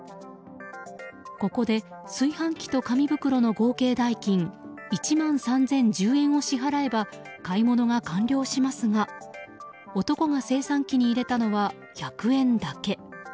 ここで、炊飯器と紙袋の合計代金１万３０１０円を支払えば買い物が完了しますが、男が精算機に入れたのは１００円だけ。